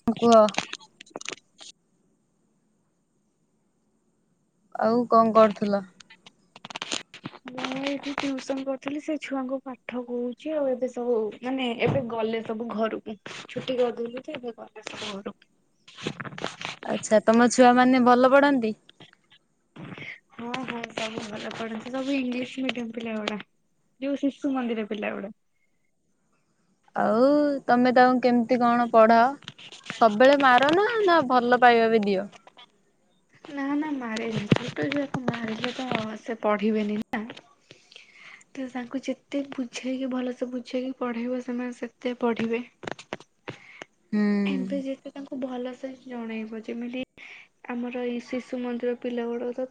[unintelligible] ଆଉ କଁ କରୁଥୁଲ। ମୁଁ ଏଇଠି ଟିଉସନ କରୁଥୁଲି ସେ ଛୁଆଙ୍କୁ ପାଠ [unintelligible] ଆଉ ଏବେ ସବୁ ମାନେ ଏବେ ଗଲେ ସବୁ ଘରୁକୁ ଛୁଟି କରିଦେଲି ଯେ ଏବେ ଗଲେ ସବୁ ଘରୁକୁ। [inaudible] ଆଚ୍ଛା ତମ ଛୁଆ ମାନେ ଭଲ ପଢ଼ନ୍ତି। ହଁ ହଁ ସବୁ ଭଲ ପଢ଼ନ୍ତି ସବୁ ଇଂଲିଶ୍ ମିଡିୟମ୍ ପିଲା ଗୁଡ଼ା। ଯେଉ ଶିଶୁ ମନ୍ଦିର ପିଲା ଗୁଡ଼ା। ଆଉ ତମେ ତାଙ୍କୁ କେମିତି କଣ ପଢ଼ାଅ। ସବୁବେଳେ ମାରନା ନା ଭଲ ପାଇବା ବି ଦିଅ। ନା ନା ମାରେନି [unintelligible] ମାରିଲେ କଁ ହବ ସେ ପଢ଼ିବେନି ନା। [inaudible] ତ ତାଙ୍କୁ ଯେତେ ବୁଝେଇକି ଭଲସେ ବୁଝେଇକି ପଢ଼େଇବ ସେମାନେ ସେତେ ପଢ଼ିବେ। ହୁଁ ଏବେ ଯେତେ ତାଙ୍କୁ ଭଲସେ ଜଣେଇବ ଯେମିତି ଆମର [unintelligible] ଶିଶୁ ମନ୍ଦିର ପିଲା ଗୁଡାକୁ ତ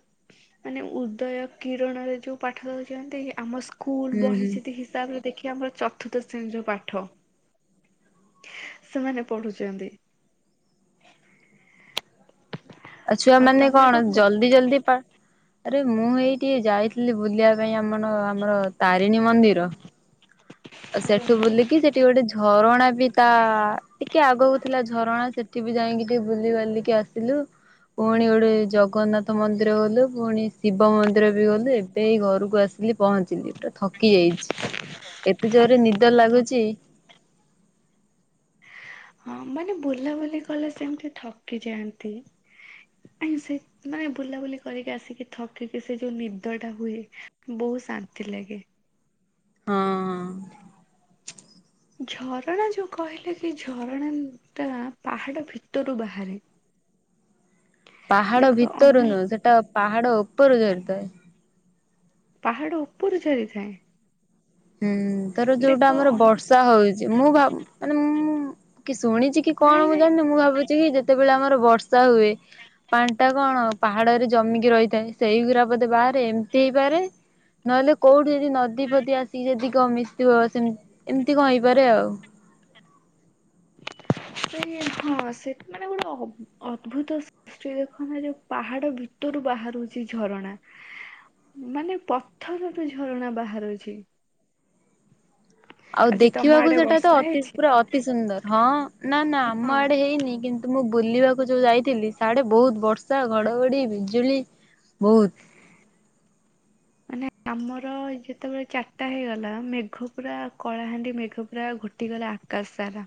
ମାନେ ଉଦୟ କିରଣରେ ଯୋଉ ପାଠ ଦୋଉଚନ୍ତି ଆମ ସ୍କୁଲ ହୁଁ ବହି ହୁଁ ସେତିକି [unintelligible] ଦେଖିବା ଆମର ଚତୁର୍ଥ ଶ୍ରେଣୀ ଯୋଉ ପାଠ। ସେମାନେ ପଢୁଚନ୍ତି। ଆଉ ଛୁଆ ମାନେ କଣ ଜଲ୍ଦୀ ଜଲ୍ଦୀ ପା ଆରେ ମୁଁ ଏଇ ଟିକେ ଯାଇଥିଲି ବୁଲିବା ପାଇଁ ଆମନ ଆମର ତାରିଣୀ ମନ୍ଦିର। ଆଉ ସେଠୁ ବୁଲିକି ସେ ଟି ଗୋଟେ ଝରଣା ବି ତା ଟିକେ ଆଗକୁ ଥିଲା ଝରଣା ସେଠି ବି ଯାଇଁକି ଟିକେ ବୁଲି ବାଲିକି ଆସ ଥିଲୁ। ପୁଣି ଗୋଟେ ଜଗନ୍ନାଥ ମନ୍ଦିର ଗଲୁ ଫୁଣି ଶିବ ମନ୍ଦିର ବି ଗଲୁ ଏବେ ଏଇ ଘରୁକୁ ଆସ [unintelligible] ପହଞ୍ଚିଲି ପୁରା ଥକି ଯାଇଛି। ଏତେ ଜୋରେ ନିଦ ଲାଗୁଚି। ହଁ ମାନେ ବୁଲାବୁଲି କଲେ ସେମିତି ଥକି ଯାଆନ୍ତି [unintelligible] ମାନେ ବୁଲାବୁଲି କରିକି ଆସିକି ଥକିକି ସେ ଯୋଉ ନିଦ ଟା ହୁଏ ବୋହୁତ ଶାନ୍ତି ଲାଗେ। ହଁ। ଝରଣା ଯୋଉ କହିଲେ କି ଝରଣା ଟା ପାହାଡ଼ ଭିତରୁ ବାହାରେ। ପାହାଡ ଦେଖ ଭିତରୁ ଅନ୍ୟ ନୁହଁ ସେଟା ପାହାଡ ଓପୋରୁ ଝରିଥାଏ। ପାହାଡ ଉପୁରୁ ଝରିଥାଏ। ହୁଁ ଧର ଦେଖ ଯୋଉଡ଼ା ଆମର ଅନ୍ୟ ବର୍ଷା ହୋଉଚି ମୁଁ ଭାବ ମାନେ ମୁଁ କି ଶୁଣିଚି କି କି ନାଇଁ କଣ ମୁଁ ନାଇଁ ଜାଣିନି ମୁଁ ଭାବୁଚି କି ଯେତେବେଳେ ଆମର ବର୍ଷା ହୁଏ। ପାଣି ଟା କଣ ପାହାଡରେ ଜମିକି ରହିଥାଏ ସେଇଗୁରା ବୋଧେ ବାହାରେ ଏମିତି ହେଇପାରେ। ନହେଲେ କୋଉଠି ଯଦି ନଦୀ ଫଦୀ ଆସିକି ଯଦି କଁ ମିିଶିଥିବ ସେମ ଏମିତି କଁ ହେଇପାରେ ଆଉ। [unintelligible] ମାନେ ଗୋଟେ ଅବ ଅଦ୍ଭୁତ ସେ ସେ କଣ ନା ଯୋଉ ପାହାଡ ଭିତରୁ ବାହାରୁଛି ଝରଣା। ମାନେ ପଥରରୁ ଝରଣା ବାହାରୁଛି। ଆଉ ଆଜି ତମ ଦେଖିବାକୁ ଆଡେ ସେଟା ତ ବର୍ଷା ଅତି ହେଇଛି? ପୁରା ଅତି ସୁନ୍ଦର ହଁ ନା ନା ଆମ ହଁ ଆଡେ ହେଇନି କିନ୍ତୁ ତ ମୁଁ ବୁଲିବାକୁ ଯୋଉ ଯାଇଥିଲି ସାଡେ ବହୁତ ବର୍ଷା ଘଡଘଡି ବିଜୁଳି ବହୁତ। ମାନେ ଆମର ଯେତେବେଳେ ଚାରଟା ହେଇଗଲା ମେଘ ପୁରା କଳାହାଣ୍ଡି ମେଘ ପୁରା ଘୋଟ ଟି ଗଲା ଆକାଶ ସାରା।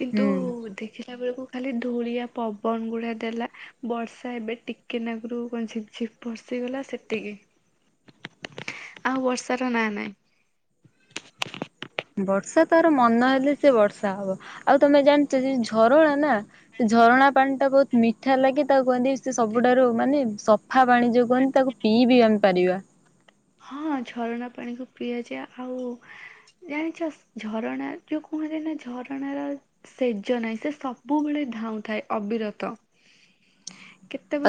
କିନ୍ତୁ ହୁଁ। ଦେଖିଲା ବେଳକୁ ଖାଲି ଧୂଳିଆ ପବନ ଗୁଡା ଦେଲା ବର୍ଷା ଏବେ ଟିକେ ନାଗରୁ ଝିପ୍ ଝିପ୍ ବର୍ସିିଗଲା ସେତିକି। ଆଉ ବର୍ଷାର ନାଁ ନାହିଁ। ବର୍ଷା ତାର ମନ ହେଲେ ସେ ବର୍ଷା ହବ ଆଉ ତମେ ଜାଣିଛ ଯ ଝରଣା ନା ଝରଣା ପାଣିଟା ବହୁତ ମିଠା ଲାଗେ ତାକୁ କୁହନ୍ତି ସେ ସବୁଠାରୁ ମାନେ ସ ସଫା ପାଣି ଯୋଉ କୁହନ୍ତି ତାକୁ ପିଇବିି ଆମେ ପାରିବା। ହଁ ଝରଣା ପାଣିକୁ ପିଆଯାଏ ଆଉ ଜାଣିଛ ଝରଣା ଯୋଉ କୌଣସି ନା ଝରଣାର ସେଜ ନାହିଁ ସେ ସବୁବେଳେ ଧାଉଁଥାଏ ଅବିରତ।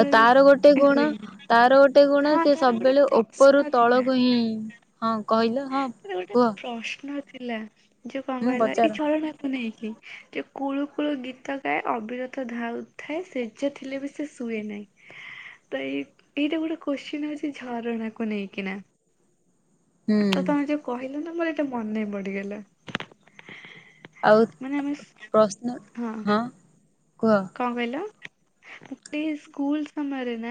ଆଉ ତାର ଗୋଟେ ବି ଗୁଣ ରୁହେନି ତାର ଗୋଟେ ଗୁଣ ହଁ ସେ ତାର ଗୋଟେ ସବୁବେଳେ ଉପରୁ ପ୍ରଶ୍ନ ତଳକୁ ହିଁ ହଁ କହିଲ? ହଁ ତ ଗୋଟେ କୁହ ପ୍ରଶ୍ନ ଥିଲା ଯୋଉ କଣ ହୁଁ କହିଲ ଏଇ ପଚାର ଝରଣା। ନେଇକି ଯେ କୁଳୁ କୁଳୁ ଗୀତ ଗାଏ ଅବିରତ ଧାଉଥାଏ ସେ ଯେ ଥିଲେ ବି ସେ ଶୁଏ ନାହିଁ। ତ ଏଇ ଏଇଟା ଗୋଟେ କୋଶ୍ଚିନ ହଉଛି ଝରଣା କୁ ନେଇକିନା। ହୁଁ ତ ତମେ ଯୋଉ କହିଲ ନା ବୋଲି ଏଟା ମନ ପଡିିଗଲା। ଆଉ ପ୍ରଶ୍ନ ହଁ କୁହ? କଣ କହିଲ [inaudible] ସ୍କୁଲ ସମୟରେ ନା।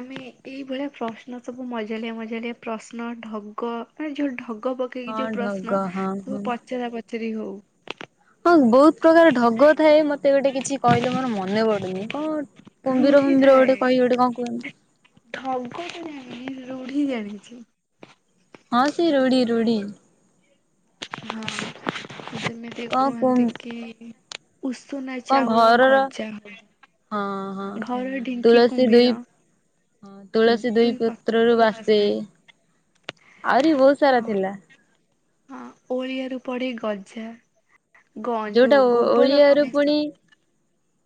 ଆମେ ଏଇଭଳିଆ ପ୍ରଶ୍ନ ସବୁ ମଜାଲିଆ ମଜାଲିଆ ପ୍ରଶ୍ନ ଢଗ ମାନେ ଯୋଉ ଢଗ ପ କି ହଁ ଯୋଉ ପ୍ରଶ୍ନ ଢଗ ହଁ ତୁ ପଚରା ପଚାରି ହଉ ହ ବହୁତ ପ୍ରକାର ଢଗ ଥାଏ ମତେ ଗୋଟେ କିଛି କହିଲେ ମୋର ମନେ ପଡୁନି କଣ କୁମ୍ଭୀର ରୁଢି କୁମ୍ଭୀର ଥାଏ ଗୋଟେ କହି ଗୋଟେ କଣ କୁହନ୍ତି। ଢଗ ତ ଜାଣିିନି ରୁଢି ଜାଣିଛି। ହଁ ସେ ରୁଢ଼ି ରୁଢ଼ି। ହଁ ଯେମିତି କଣ କୁ କୁହନ୍ତି କି? ଉସୁନା କଣ ଚାଉଳ ଘରର ଗଜା ହବା। ହଁ ହଁ ଘର ଢିଙ୍କି କୁମ୍ଭୀର। ହଁ ତୁଳସୀ ଦୁଇ ପତ୍ରରୁ ବାସେ ଆହୁରି ବହୁତ ସାରା ଆଉ ଥିଲା। ହଁ ଓଳିଆରୁ ପଡି ଗଜା। ଗ ଯୋଉଟା ଯୋଉ ଗୋବର ଓଳିଆରୁ ଗଣେଶ ପୁଣି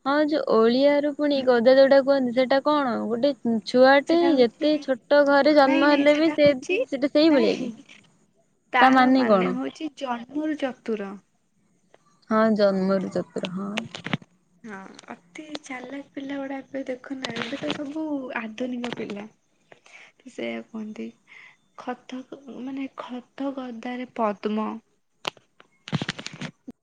ହଁ ଯୋଉ ଓଳିଆରୁ ପୁଣି ଗଦା ଯୋଉଟା କୁହନ୍ତି ସେଟା କଣ ଗୋଟେ ଉଁ ଛୁଆଟେ ସେଟା ଯେତେ ହଉଛି ଛୋଟ ଘରେ ନାଇଁ ଜନ୍ମ ନାଇଁ ହେଲେ ବି ସେଟା ସେ ହଉଛି ସେଟା ସେଇଭଳିଆ କି? ନାଇଁ ତା ତାର ମାନେ କଣ ହଉଛି ଜନ୍ମରୁ ଚତୁର। ହଁ ଜନ୍ମରୁ ଚତୁର ହଁ। ହଁ ଅତି ଚାଲାକ ପିଲା ଗୁଡା ଏବେ ଦେଖୁନା ଏବେ ତ ସବୁ ଆଧୁନିକ ପିଲା। ସେଇଆ କୁହନ୍ତି। ଖତ ମାନେ ଖତ ଗଦାରେ ପଦ୍ମ।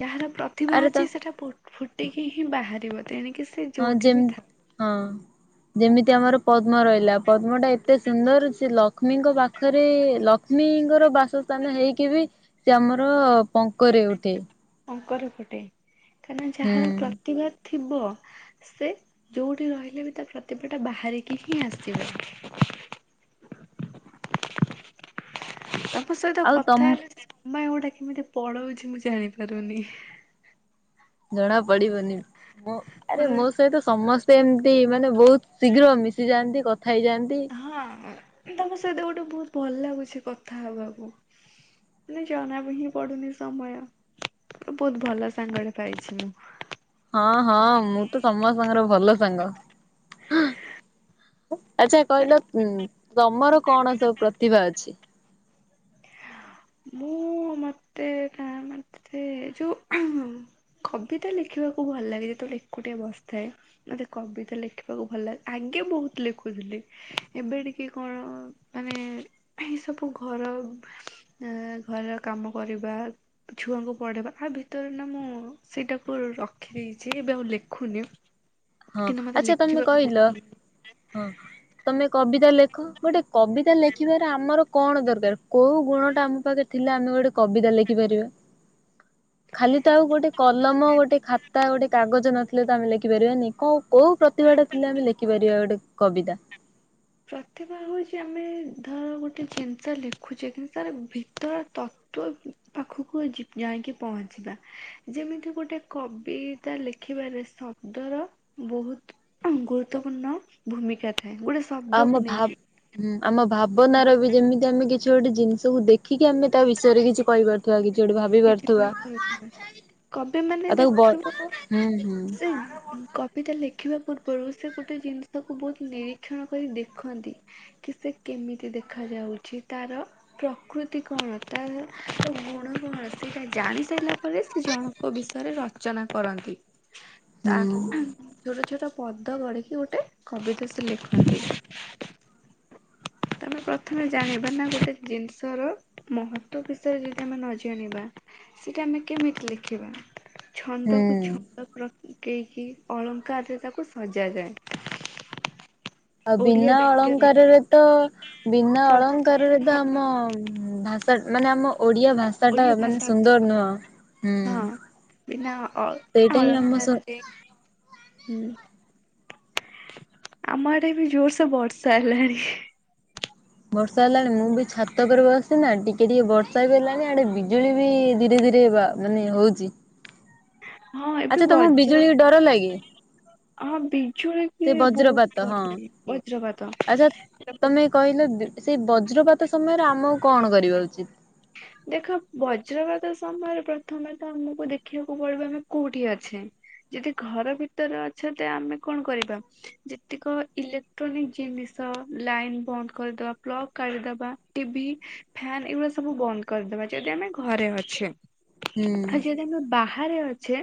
ଯାହାର ପ୍ର ତିଭା ଆରେ ତ ଅଛି ସେଇଟା ଫୁଟିକି ହିଁ ବାହାରିବ ତେଣିକି ସେ ହଁ ଯେଉଁଠି ଯେମ ବି ଥାଉ। ହଁ। ଯେମିତି ଆମର ପଦ୍ମ ରଇଲା ପଦ୍ମ ଟା ଏତେ ସୁନ୍ଦର ସେ ଲକ୍ଷ୍ମୀଙ୍କ ପାଖରେ ଲ କ୍ଷ୍ମୀଙ୍କର ବାସସ୍ଥାନ ହେଇକି ବି ସେ ଆମର ପଙ୍କରେ ଉଠେ ପଙ୍କରେ ଫୁଟେ କାହିଁକନା ହୁଁ ଯାହାର ପ୍ରତିଭା ଥିବ ସେ ଯୋଉଠି ରହିଲେ ବି ତା ପ୍ରତିଭାଟା ବାହାରିକି ହିଁ ଆସିବ। ତୋ ସହିତ ଆଉ ତମ କଥା ହେଲେ ଯେ ସମୟ ଟା କେମିତି ପଳଉଛି ମୁଁ ଜାଣି ପାରୁନି। ଜଣା ପଡିବନି ମୋ ଆରେ ମତେ ମୋ ସହିତ ସମସ ସେମତି ମାନେ ବହୁତ ଶୀଘ୍ର ମିଶିଯାଆନ୍ତି କଥା ହେଇଯାଆନ୍ତି। ହଁ ତମ ସହିତ ଗୋଟେ ବହୁତ ଭଲ ଲାଗୁଛି କଥା ହବାକୁ ମାନେ ଜଣା ବି ହିଁ ପଡୁନି ସମୟ ବହୁତ ଭଲ ସାଙ୍ଗଟେ ପାଇଛି ମୁଁ ହଁ ହଁ ମୁଁ ତ ସମସ୍ତଙ୍କର ଭଲ ସାଙ୍ଗ ଆଚ୍ଛା କହିଲ ମାନେ ଉଁ ତମର କଣ ସବୁ ପ୍ରତିଭା ଅଛି? [unintelligible] ତେ କା ମା ସେ ଯେଉଁ କବିତା ଲେଖିବାକୁ ଭଲ ଲାଗେ ଯେତେବେଳେ ଏକୁଟିଆ ବସିଥାଏ। ମତେ କବିତା ଲେଖିବାକୁ ଭଲ ଲାଗ ଆଗେ ବହୁତ ଲେଖୁଥିଲି। ଏବେ ଟିକେ କଣ ମାନେ ଏ ସବୁ ଘର ଏ ଘରର କାମ କରିବା ଛୁଆଙ୍କୁ ପଡେବା ଆ ଭିତରେ ନା ମୁଁ ସେଇଟାକୁ ରଖିଦେଇଛି ଏବେ ଆଉ ଲେଖୁନି। ହଁ କିନ୍ତୁ ମୋତେ ଆଚ୍ଛା ତମେ ଲେଖିବାକୁ ବହୁତ କହିଲ ଭଲ ଲାଗେ। ହଁ ତମେ କବିତା ଲେଖ ଗୋଟେ କବିତା ଲେଖିବାରେ ଆମର କଣ ଦରକାର କୋଉ ଗୁଣ ଟା ଆମ ପାଖରେ ଥିଲା ଆମେ ଗୋଟେ କବିତା ଲେଖିପାରିବା? ଖାଲି ତ ଆଉ ଗୋଟେ କଲମ ଗୋଟେ ଖାତା ଗୋଟେ କାଗଜ ନଥିଲେ ତ ଆମେ ଲେଖିପାରିବାନି। କ କୋଉ ପ୍ରତିଭାଟା ଥିଲେ ଆମେ ଲେଖିପାରିବା ଗୋଟେ କବିତା? ପ୍ରତିଭା ହଉଛି ଆମେ ଧର ଗୋଟେ ଜିନିଷ ଲେଖୁଛେ କିନ୍ତୁ ତାର ଭିତର ତ ତୁ ପାଖକୁ ଯି ଯାଇକି ପହଞ୍ଚିବା ଯେମିତି ଗୋଟେ କବି ବିତା ଲେଖିବାର ଶବ୍ଦର ବହୁତ ଉ ଗୁରୁତ୍ୱପୂର୍ଣ୍ଣ ଭୂମିକା ଥାଏ ଗୋଟେ ଆମ ଶବ୍ଦକୁ ଭାବ ନେଇକି ହୁଁ ଆମ ଭାବନାର ବି ଯେମିତି ଆମେ କିଛି ଗୋଟେ ଜିନିଷକୁ ଦେଖିକି ଆମେ ତା ବିଷୟରେ କିଛି କହିପାର ଥିବା କିଛି ଗୋଟେ ଭାବି କିଛି ପାରୁଥିବା କହିପାରୁଥିବ କବି ମାନେ ଆଉ ତାକୁ ବ ଦେଖିବ ହୁଁ ହୁଁ ସେଇ ଉଁ କବିତା ଲେଖିବା ପୂର୍ବରୁ ସେ ଗୋଟେ ଜିନିଷକୁ ବହୁତ ନିରୀକ୍ଷଣ କରି ଦେଖନ୍ତି। କି ସେ କେମିତି ଦେଖ ଯାଉଚି ତାର ପ୍ରକୃତି କଣ ତାର ଗୁଣ କଣ ସେଇଟା ଜାଣି ସାରିଲା ପରେ ସେ ଜଣଙ୍କ ବିଷୟରେ ରଚନା କରନ୍ତି। ତା ହୁଁ ଛୋଟ ଛୋଟ ପଦ ଗଢିକି ଗୋଟେ କବିିତା ସେ ତ ଲେଖନ୍ତି ତମେ ପ୍ରଥମେ ଜାଣିବା ନା ଗୋଟେ ଜିନିଷ ର ମହତ୍ଵ ବିଷୟରେ ଯଦି ଆମେ ନ ଜାଣିବା ସେଇଟା ଆମେ କେମିତି ଲେଖିବା ଛନ୍ଦକୁ ହୁଁ। ଛନ୍ଦ ପ୍ର ପକେଈକି ଅଳଙ୍କାରରେ ତାକୁ ସଯା ଯାଏ। ଆଉ ବିନା ଅଳଙ୍କାରରେ ତ ବିନା ଶବ୍ଦ ଅଳଙ୍କାରରେ ସୁନ୍ଦର ତ ଆମ ହବନି ଭାଷା ମାନେ ଆମ ଓଡିଆ ଭାଷା ଟା ଓଡ଼ିଆ ମାନେ ଭାଷା ସୁନ୍ଦର କୋଷ ନୁହଁ ହୁଁ ହଁ ବିନା ଅ ସେଇଟା ହିଁ ଆମ ସ ଅଳଙ୍କାରରେ ହୁଁ ଆମ ଆଡେ ବି ଜୋରସେ ବର୍ଷା ହେଲାଣି। ବର୍ଷା ହେଲାଣି ମୁଁ ବି ଛାତ ଉପରେ ବସିଚି ନା ଟିକେ ଟିକେ ବର୍ଷା ବି ହେଲାଣି ଆଡେ ବିଜୁଳି ବି ଧୀରେ ଧୀରେ ହେବ ଆଉ। ମାନେ ହଉଛି ହଁ ଏବେ [unintelligible] ଆଚ୍ଛା ତମକୁ ବଜ ବିଜୁଳି ଡର ଲାଗେ? ହଁ ବିଜୁଳି କି ସେ ବଜ୍ରପାତ ବହୁତ ହଁ [unintelligible] ବଜ୍ରପାତ ଆଚ୍ଛା ତମେ କହିଲ ସେଇ ବଜ୍ରପାତ ସମୟରେ ଆମକୁ କଣ କରିବା ଉଚିତ? [inaudible] ଦେଖ ବଜ୍ରପାତ ସମୟରେ ପ୍ରଥମେ ତ ଆମକୁ ଦେଖିବାକୁ ପଡିବ ଆମେ କୋଉଠି ଅଛେ? ଯଦି ଘର ଭିତରେ ଅଛ ତ ଆମେ କଣ କରିବା ଯେତିକ ଇଲେ ତନି ଜିନିଷ ଲାଇନ୍ ବନ୍ଦ କରିଦବା ପ୍ଲବ କାଢିଦବା ଟିଭି ଫ୍ୟାନ୍ ଏଗୁରା ସବୁ ବନ୍ଦ କରିଦବା ଯଦି ଆମେ ଘରେ ଅଛେ। ହୁଁ ଆ ଯଦି ଆମେ ବା ବାହାରେ ଅଛେ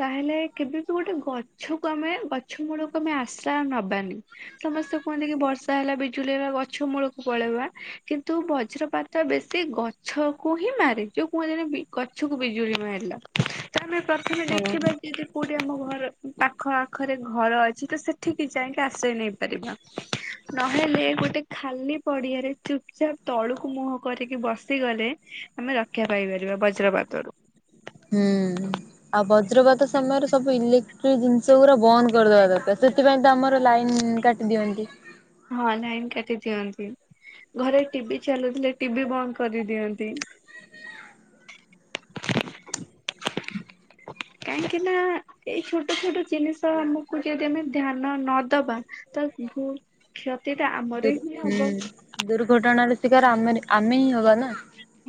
ତାହେଲେ କେବେ ବି ଗୋଟେ ଗଛକୁ ଆମେ ଗଛ ମୂଳକୁ ଆମେ ଆଶ୍ରୟ ନବାନି। ସମସ୍ତେ କୁହନ୍ତି କି ବର୍ଷା ହେଲା ବି ଚୁଲେଇବା ଗଛ ମୂଳକୁ ପଳେଇବା କିନ୍ତୁ ବଜ୍ରପାତ ବେଶ ସେ ଗଛକୁ ହିଁ ମାରେ ଯୋଉ କୁହନ୍ତି ନା ଗଛକୁ ବିଜୁଳି ମାରିଲା। ତମେ ପ୍ରଥମେ ହଁ। ଦେଖିବା ଯଦ କୋଉଠି ଆମ ଘର ପାଖ ଆଖରେ ଘର ଅଛି ତ ସେଠିକି ଯାଇକି ଆଶ୍ରୟ ନେଇ ପାରିବା। ନହେଲେ ଗୋଟେ ଖାଲି ପଡିଆରେ ଚୁପଚାପ୍ ତଳୁକୁ ମୁହଁ କରି ବସିଗଲେ ଆମେ ରକ୍ଷା ପାଇପାରିବା ବଜ୍ରପାତରୁ। ହୁଁ ଆଉ ବଜ୍ରପାତ ସମୟରେ ସବୁ ଇଲେକ୍ଟ୍ରିକ ଜିନିଷ ପୁରା ବନ୍ଦ କରିଦବା ଦରକାର ସେ ସେଥିପାଇଁ ତ ଆମର ଲାଇନ କାଟି ଦିଅନ୍ତି। ହଁ ଲାଇନ୍ କାଟି ଦିଅନ୍ତି ଘରେ ଟିଭିି ଚାଲୁଥିଲେ ଟିଭି ବନ୍ଦ କରିଦିଅନ୍ତି। କାହିଁକି ନା ଏଇ ଛୋଟ ଛୋଟ ଜିନିଷ ଆମକୁ ଯଦି ଆମେ ଧ୍ୟାନ ନ ଦବା ତ ଭୁଲ କ୍ଷତି ଟା ଆମର ଦୁର୍ ହିଁ ହୁଁ ହବ। ଦୁର୍ଘଟଣାର ଶିକାର ଆମ ଆମେ ହିଁ ହବା ନା।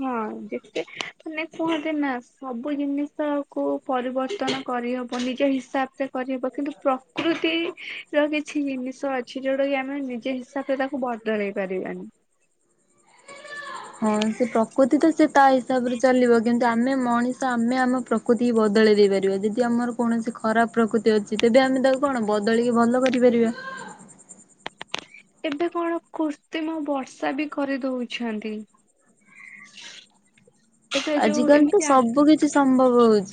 ହଁ ଯେତେ ମାନେ କୁହନ୍ତି ନା ସବୁ ଜିନିଷକୁ ପରିବର୍ତ୍ତନ କରିହବ ନିଜ ହିସାବରେ କରିହବ କିନ୍ତୁ ପ୍ରକୃତି ର କିଛି ଜିନିଷ ଅଛି ଯୋଉଟା କି ଆମେ ନିଜ ହିସାବରେ ତାକୁ ବଦଳେଇ ପାରିବାନି। ହଁ ସେ ପ୍ରକୃତି ତ ସେ ତା ହିସାବରେ ଚାଲିବ କିନ୍ତୁ ଆମେ ମଣିଷ ଆମେ ଆମ ପ୍ରକୃତି ବଦଳେଇ ଦେଇ ପାରିବା ଯଦି ଆମର କୌଣସି ଖରାପ ପ୍ରକୃତି ଅଛି ତେବେ ଆମେ ତାକୁ କଣ ବଦଳିକି ଭଲ କରିପାରିବା। ଏବେ କଣ କୁର୍ତିମ ବର୍ଷା ବି କରିଦଉଛନ୍ତି। ଏବେ ଯୋଉ ଆଜିକାଲି ତ ଏମିତି ସବୁ କିଛି ସମ୍ଭବ ହଉଛି।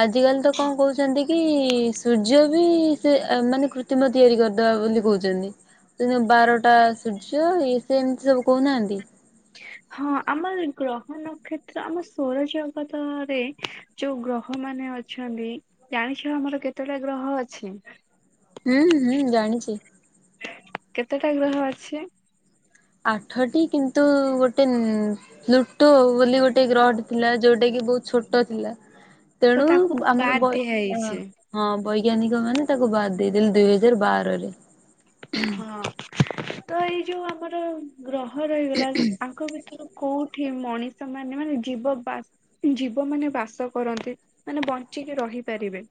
ଆଜିିକାଲି ତ କଣ କହୁଛି। ଛନ୍ତି କି ସୂର୍ଯ୍ୟ ବି ସେ ମାନେ କୃତ୍ରିମ ତିଆରି କରିଦବା ବୋଲି କହୁଛନ୍ତି। ଦିନ ବାରଟା ସୂର୍ଯ ଏ ସେ ଏମିତି ସବୁ କହୁନାହାନ୍ତି। ହଁ ଆମର ଗ୍ରହ ନକ୍ଷତ୍ର ଆମ ସୌର ଜଗତରେ ଯୋଉ ଗ୍ରହ ମାନେ ଅଛନ୍ତି ଜାଣିଛ ଆମର କେତେଟା ଗ୍ରହ ଅଛି? ହୁଁ ହୁଁ ଜାଣିଛି। କେତେଟା ଗ୍ରହ ଅଛି? ଆଠଟି କିନ୍ତୁ ଗୋଟେ ପ୍ଲୁଟୋ ବୋଲି ଗୋଟେ ଗ୍ରହଟେ ଥିଲା ଯୋଉଟା କି ବହୁତ ଛୋଟ ଥିଲା ତ ତେଣୁ ତାକୁ ଆମର ବାଦ୍ ଦିଆ ବହି ହେଇଛି ହଁ ବୈଜ୍ଞାନିକ ମାନେ ତାକୁ ବାଦ୍ ଦେଇଦଲେ ଦୁଇ ହଜାର ବାରରେ। ହଁ ତ ଏଇ ଯୋଉ ଆମର ଗ୍ରହ ରହିଗଲା ଆଙ୍କ ଭିତରୁ କୋଉଠି ମଣି ଷ ସେମାନେ ମାନେ ଜୀବ ବାସ ଜୀବ ମାନେ ବାସ କରନ୍ତି ମାନେ ବଞ୍ଚିକି ରହିପାରିବେ।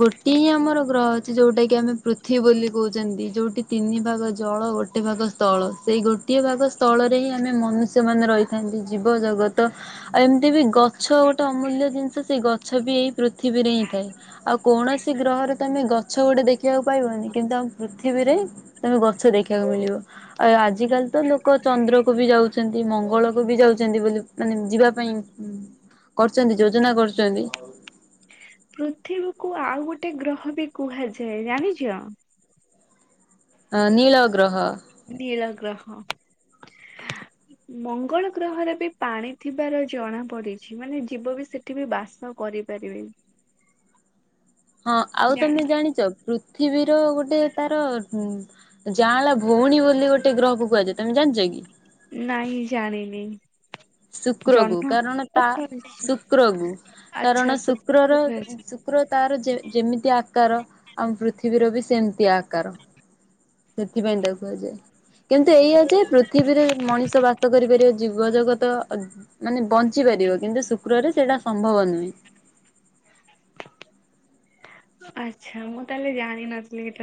ଗୋଟିଏ ହିଁ ଆମର ଗ୍ରହ ଅଛି ଯୋଉଟା କି ଆମେ ପୃଥିବୀ ବୋଲି କହୁଛନ୍ତି। ଯୋଉଠି ତିନି ଭାଗ ଜଳ ଗୋ ଟେ ଭାଗ ସ୍ଥଳ। ସେଇ ଗୋଟିଏ ଭାଗ ସ୍ଥଳରେ ହିଁ ଆମେ ମନୁଷ୍ୟ ମାନେ ରହିଥାନ୍ତି। ଜୀବ ଜଗତ ଆଉ ଏମିତି ବି ଗଛ ଗୋଟେ ଅମୂଲ୍ୟ ଜିନିଷ। ସେଇ ଗଛ ବି ଏଇ ପୃଥିବୀରେ ହିଁ ଥାଏ। ଆଉ କୌଣସି ଗ୍ରହରେ ତମେ ଗଛ ଗୋଟେ ଦେଖିବାକୁ ପାଇବନି କିନ୍ତୁ ଆମ ପୃଥିବୀରେ ତମେ ଗଛ ଦେଖିବାକୁ ମିଳିବ। ଆ ଆଜିକାଲି ତ ଲୋକ ଚନ୍ଦ୍ର କ ବି ଯାଉଛନ୍ତି ମଙ୍ଗଳ କୁ ବି ଯାଉଛନ୍ତି ବୋଲି ମାନେ ଯିବା ପାଇଁ କରୁଛନ୍ତି ଯୋଜନା କରୁଛନ୍ତି। ପୃଥିବୀକୁୁ ଆଉ ଗୋଟେ ଗ୍ରହ ବି କୁହାଯାଏ ଜାଣିଚ? ଅ ନୀଳ ଗ୍ରହ। ନିଳ ଗ୍ରହ। ମଙ୍ଗଳ ଗ୍ରହରେ ବି ପାଣି ଥିବାର ଜଣା ପଡିଛି। ମାନେ ଯିବ ବି ସେ ଏଠି ବି ବାସ କରିପାରିବେ। ହଁ ଆଉ ତମେ ଜାଣ ଜାଣିଛ ପୃଥିବୀର ଗୋଟେ ତାର ଯାଆଁଳା ଭଉଣୀ ବୋଲି ଗୋଟେ ଗ୍ରହ କୁହାଯାଏ, ତମେ ଜାଣିଛ କି? ନାଇଁ ଜାଣିନି। ଶୁକ୍ରକୁ ଜହ୍ନ କାରଣ ତା ଶୁକ୍ରକୁ ଆଚ୍ଛା କାରଣ ଶୁକ୍ର ଶୁକ୍ରର ଗ୍ରହରେ ଅଛି। ଶୁ କ୍ର ତାର ଯେମିତି ଆକାର ଆମ ପୃଥିବୀର ବି ସେମିତି ଆକାର। ସେଥିପାଇଁ ତାକୁ କୁହାଯାଏ। କିନ୍ତୁ ଏଇଆ ଯେ ପୃଥିବୀରେ ମଣିଷ ବାସ କରିପାରିବେ ଜୀବଜଗତ ମାନେ ବଞ୍ଚି ପାରିବ କିନ୍ତୁ ଶୁକ୍ରରେ ସେଇଟା ସମ୍ଭବ ନୁହେଁ। ଆଚ୍ଛା ମୁଁ ତାହେଲେ ଜାଣିିନଥିଲି ଏଟା।